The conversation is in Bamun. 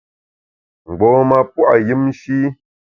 Mgbom-a pua’ yùmshi.